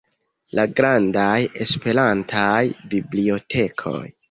La grandaj Esperantaj bibliotekoj.